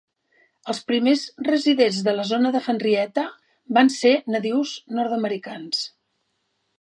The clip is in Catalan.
Els primers residents de la zona de Henrietta van ser natius nord-americans.